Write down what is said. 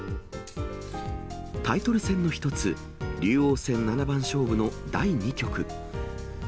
タイトル戦の一つ、竜王戦七番勝負の第２局。